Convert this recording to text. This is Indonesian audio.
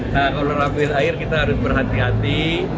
nah kalau rafiul akhir kita harus berhati hati